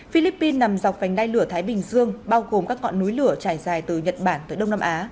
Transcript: philippines nằm dọc vành đai lửa thái bình dương bao gồm các ngọn núi lửa trải dài từ nhật bản tới đông nam á